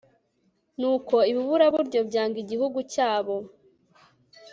nuko ibiburaburyo byanga igihugu cyabo